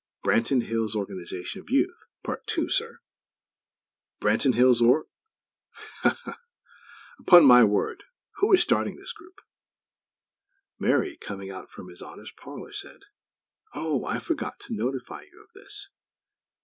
"Branton Hills' Organization of Youth; Part Two, sir." "Branton Hills Org Ha, ha! Upon my word! Who is starting this group?" Mary, coming out from His Honor's parlor, said: "Oh, I forgot to notify you of this.